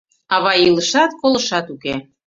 Ава илышат, колышат уке.